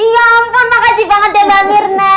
ya ampun makasih banget ya mbak mirna